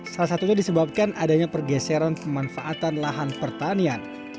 salah satunya disebabkan adanya pergeseran pemanfaatan lahan pertanian